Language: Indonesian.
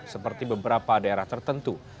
seperti beberapa daerah tertentu